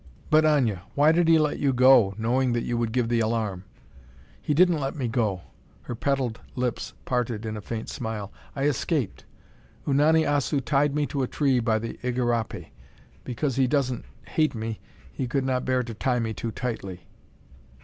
"But, Aña! Why did he let you go, knowing that you would give the alarm?" "He didn't let me go." Her petaled lips parted in a faint smile. "I escaped. Unani Assu tied me to a tree by the igarapé. Because he doesn't ... hate me, he could not bear to tie me too tightly."